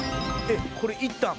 「これ行ったん？